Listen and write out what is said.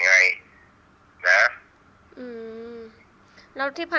คุณพ่อได้จดหมายมาที่บ้าน